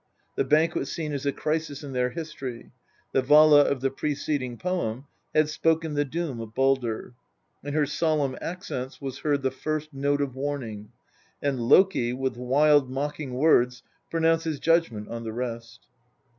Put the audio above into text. The. banquet scene is a crisis in their history. The Vala of the preceding poem had spoken the doom of Baldr. In her solemn accents was heard the first note of warning, and Loki, with wild mocking words, pronounces judg ment on the rest.